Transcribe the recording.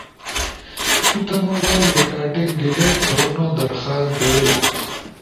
تو تمو وائس ریکارڈنگ ڈیلیٹ تھونو درخواست دیلا